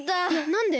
なんで？